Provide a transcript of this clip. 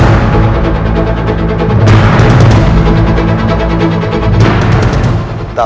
dan raden kiansanta